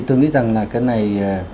tôi nghĩ rằng là cái này